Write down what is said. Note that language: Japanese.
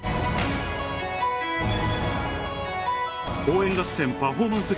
応援合戦パフォーマンス